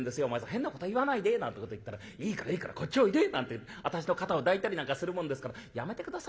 変なこと言わないで』なんてこと言ったら『いいからいいからこっちおいで』なんて私の肩を抱いたりなんかするもんですから『やめて下さいお前さん。